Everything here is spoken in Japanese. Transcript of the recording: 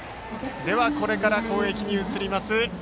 これから攻撃に移ります